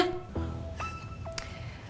apa yang kamu mau